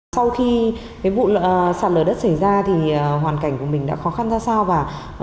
sau khi cái vụ sạt lở đất xảy ra thì hoàn cảnh của mình đã khó khăn ra sao và